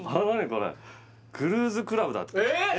これクルーズクラブだってえっ？